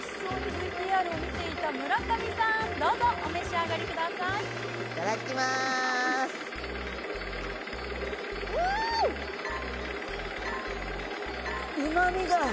うまみが。